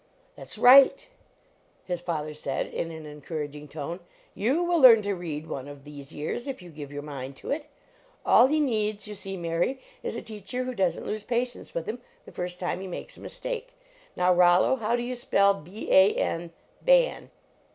"That s right," his father said, in an en couraging tone; " you will learn to read one of these years if you give your mind to it. All he needs, you see, Mary, is a teacher who doesn t lose patience with him the first LEARNING TO READ time he makes a mistake. Now, Rollo, how do you spell, B a n Ban?